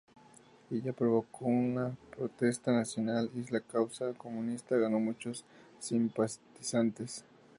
Ello provocó una protesta nacional y la causa comunista ganó muchos simpatizantes.